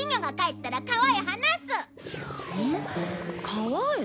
川へ？